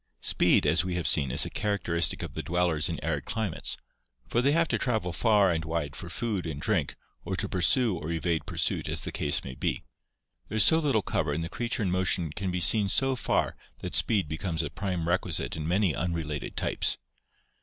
Speed, as we have seen, is a characteristic of the dwellers in DESERT ADAPTATION 405 arid climates, for they have to travel far and wide for food and drink or to pursue or evade pursuit as the case may be. There is so little cover and the creature in motion can be seen so far that speed becomes a prime requisite in many unrelated types.